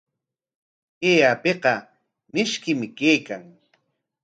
Kay apiqa mishkim kaykan.